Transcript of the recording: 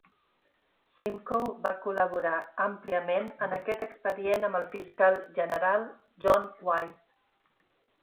Simcoe va col·laborar àmpliament en aquest expedient amb el fiscal general John White .